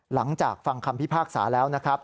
หลังจากฟังคำพิพากษาแล้วนะครับ